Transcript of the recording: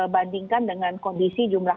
bandingkan dengan kondisi jumlah